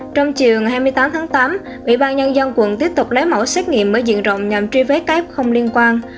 trong chiều hai mươi tám tháng tám ủy ban nhân dân quận tiếp tục lấy mẫu xét nghiệm mới diện rộng nhằm truy vế các không liên quan